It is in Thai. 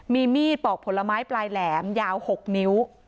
มีมีดปอกผลไม้ปลายแหลมยาว๖นิ้ว